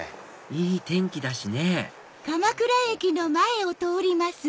いい天気だしね